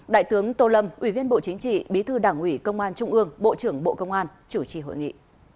đại tướng tô lâm ủy viên bộ chính trị bí thư đảng ủy công an trung ương bộ trưởng bộ công an chủ trì hội nghị